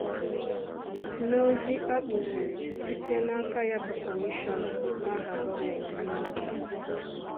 N'ozi a kụpụzịrị site n'aka ya bụ kọmishọna n'aha gọọmenti Anambra